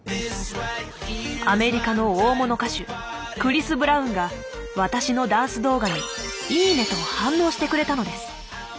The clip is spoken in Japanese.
アメリカの大物歌手クリス・ブラウンが私のダンス動画に「いいね」と反応してくれたのです。